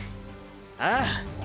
ああ！